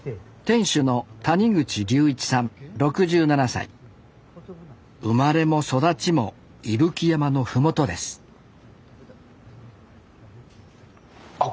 店主の生まれも育ちも伊吹山の麓ですあっ